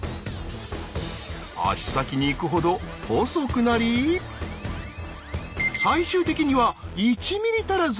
足先に行くほど細くなり最終的には１ｍｍ足らず。